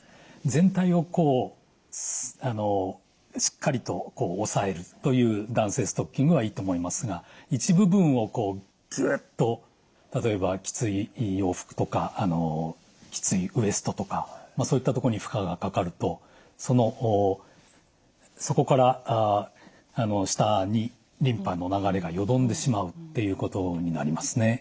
全体をこうしっかりと押さえるという弾性ストッキングはいいと思いますが一部分をぐっと例えばきつい洋服とかきついウエストとかそういったところに負荷がかかるとそこから下にリンパの流れがよどんでしまうっていうことになりますね。